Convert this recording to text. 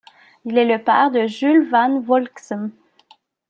Il est le père de Jules Van Volxem.